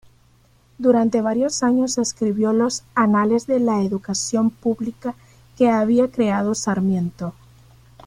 Durante varios años escribió los Anales de la Educación Pública que había creado Sarmiento.